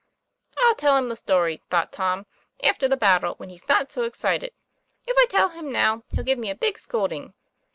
"I'll tell him the story," thought Tom, "after the battle, when he's not so excited, If I tell him now he'll give me a big scolding."